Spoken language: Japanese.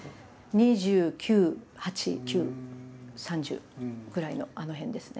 ２９２８２９３０ぐらいのあの辺ですね。